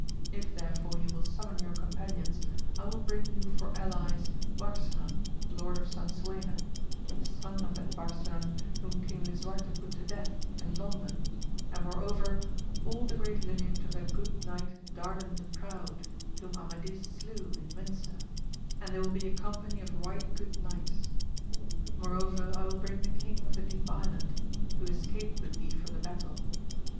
If therefore you will summon your companions I will bring you for allies Barsinan, Lord of Sansuena, the son of that Barsinan whom King Lisuarte put to death in London and moreover all the great lineage of that good kni 120 AMADIS OF GAUL. Dardan the Proud, whom Amadis slew in Windsor, and they will be a company of right good knights. Moreover I will bring the King of the Deep Island, who escaped with thee from the battle.